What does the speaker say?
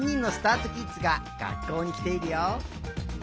あとキッズががっこうにきているよ。